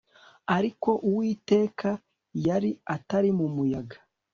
ariko Uwiteka yari atari mu muyaga